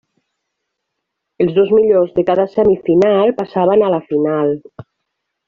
Els dos millors de cada semifinal passaven a la final.